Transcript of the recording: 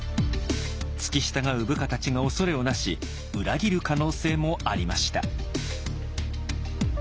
付き従う部下たちが恐れをなし裏切る可能性もありました。